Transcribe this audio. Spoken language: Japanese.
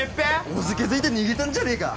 おじけづいて逃げたんじゃねえか。